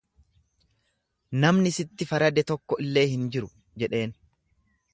Namni sitti farade tokko illee hin jiruu? jedheen.